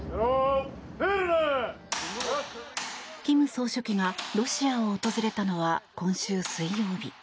金総書記がロシアを訪れたのは今週水曜日。